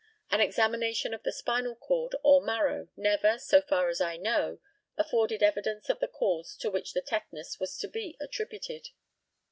An examination of the spinal cord or marrow never, so far as I know, afforded evidence of the cause to which the tetanus was to be attributed.